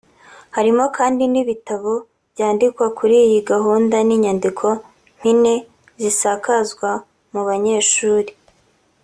Harimo kandi n’ibitabo byandikwa kuri iyi gahunda n’inyandiko mpine zisakazwa mu banyeshuri